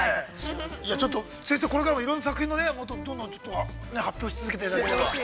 ◆先生、これからもいろんな作品どんどん発表し続けていただければ。